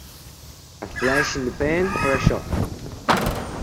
A flash in the pan or a shot?